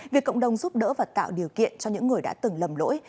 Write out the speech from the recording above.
việc cộng đồng giúp đỡ và tạo điều kiện cho những người đã từng lầm lỗi